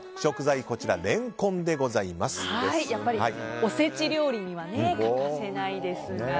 やっぱりおせち料理には欠かせないですが。